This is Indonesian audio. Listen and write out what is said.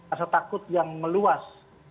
asal takut yang meluas